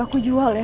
aku jual ya